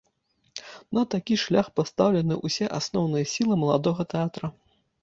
На такі шлях пастаўлены ўсе асноўныя сілы маладога тэатра.